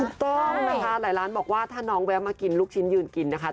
ถูกต้องนะคะหลายร้านบอกว่าถ้าน้องแวะมากินลูกชิ้นยืนกินนะคะ